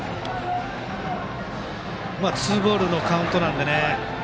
ツーボールのカウントなのでね